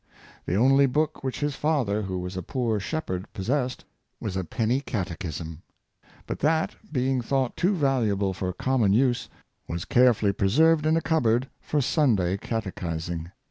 The only book which his father, who was a poor shepherd, possessed, was a penny Catechism; but that, being thought too valuable for common use, was carefully preserved in a cupboard for the Sunday catechisings.